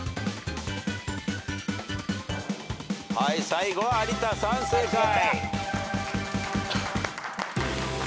最後は有田さん正解。